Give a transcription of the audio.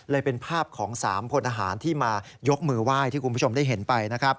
เป็นภาพของ๓พลทหารที่มายกมือไหว้ที่คุณผู้ชมได้เห็นไปนะครับ